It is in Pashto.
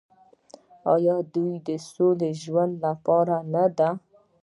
آیا د یو سوکاله ژوند لپاره نه ده؟